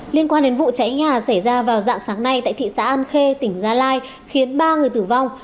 liên quan đến vụ cháy nhà xảy ra vào dạng sáng nay tại thị xã an khê tỉnh gia lai khiến ba người tử vong